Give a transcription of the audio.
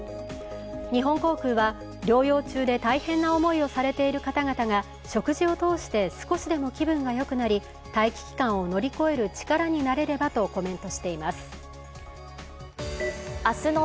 日本航空は療養中で大変な思いをされている方々が食事を通して少しでも気分がよくなり待機期間を乗り越える力になれればとコメントしています。